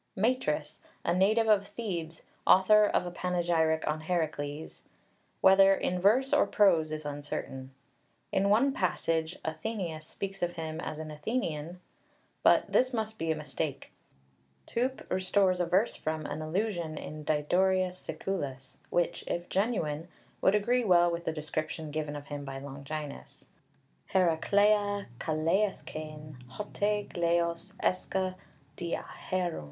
MATRIS, a native of Thebes, author of a panegyric on Herakles, whether in verse or prose is uncertain. In one passage Athenaeus speaks of him as an Athenian, but this must be a mistake. Toup restores a verse from an allusion in Diodorus Siculus (i. 24), which, if genuine, would agree well with the description given of him by Longinus: Ηρακλέα καλέεσκεν, ὅτι κλέος ἔσχε διὰ Ἥραν (see Toup ad Long. III.